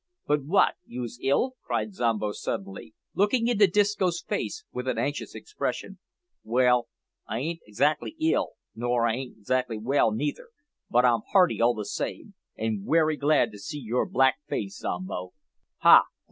"But wat! yoos ill?" cried Zombo suddenly, looking into Disco's face with an anxious expression. "Well, I ain't 'xac'ly ill, nor I ain't 'xac'ly well neither, but I'm hearty all the same, and werry glad to see your black face, Zombo."